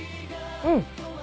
うん。